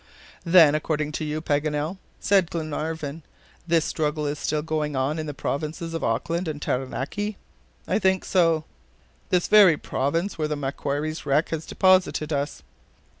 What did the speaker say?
"Then, according to you, Paganel," said Glenarvan, "this struggle is still going on in the provinces of Auckland and Taranaki?" "I think so." "This very province where the MACQUARIE'S wreck has deposited us."